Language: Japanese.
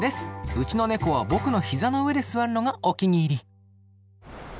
うちのネコは僕の膝の上で座るのがお気に入り。